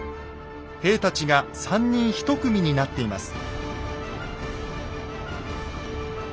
兵たちが３人１組になっています。